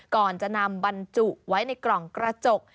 ก่อนจะนำบรรจุไว้ในกล่องกระจก